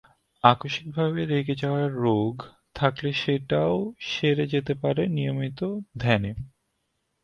আকস্মিকভাবে রেগে যাওয়ার রোগ থাকলে সেটাও সেরে যেতে পারে নিয়মিত ধ্যানে।